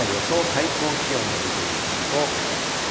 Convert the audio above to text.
最高気温も見てみますと。